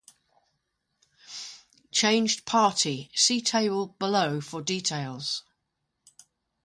Changed party, see table below for details.